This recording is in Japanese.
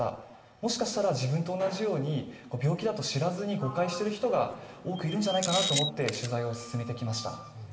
もしかしたら自分と同じように病気だと知らずに誤解している人が多くいるんじゃないかなと思って、取材を進めてきました。